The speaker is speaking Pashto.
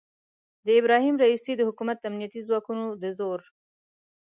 د ابراهیم رئیسي د حکومت امنیتي ځواکونو د زور